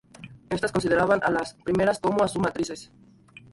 Estas consideraban a las primeras como a sus matrices.